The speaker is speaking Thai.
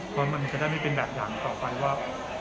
เพราะมันจะได้ไม่เป็นแบบอย่างต่อไปว่า